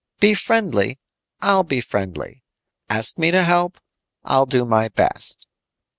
Be friendly, I'll be friendly. Ask me to help. I'll do my best."